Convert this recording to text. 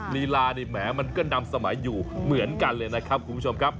ลีลานี่แหมมันก็นำสมัยอยู่เหมือนกันเลยนะครับคุณผู้ชมครับ